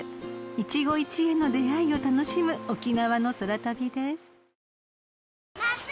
［一期一会の出会いを楽しむ沖縄の空旅です］